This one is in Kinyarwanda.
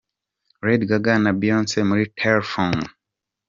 Lady Gaga na Beyonce muri "telephone".